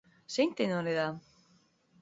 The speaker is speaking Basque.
Zein tenore da?